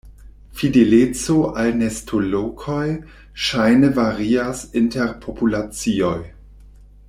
Fideleco al nestolokoj ŝajne varias inter populacioj.